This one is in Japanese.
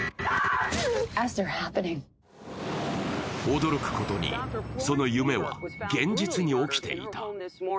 驚くことに、その夢は現実に起きていた。